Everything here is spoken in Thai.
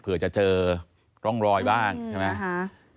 เผื่อจะเจอร่องรอยบ้างใช่ไหม